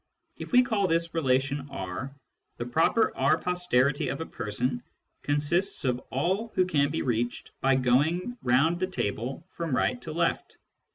If we call this relation R, the proper R posterity of a person consists of all who can be reached by going round the table from right to left.